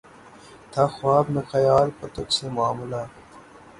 تھا خواب میں خیال کو تجھ سے معاملہ